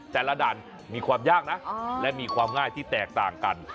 แต่ละด่านมีความยากนะและมีความง่ายที่แตกต่างกัน